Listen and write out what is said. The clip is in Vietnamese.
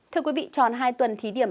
thưa quý vị tròn hai tuần thí điểm